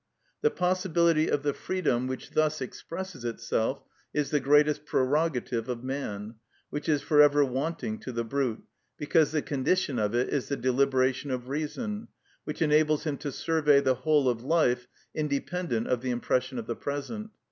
The possibility of the freedom which thus expresses itself is the greatest prerogative of man, which is for ever wanting to the brute, because the condition of it is the deliberation of reason, which enables him to survey the whole of life independent of the impression of the present.